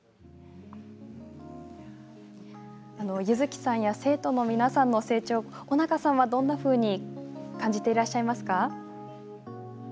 柚希さんや生徒の皆さんの成長を尾中さんは、どんなふうに感じていらっしゃいますか。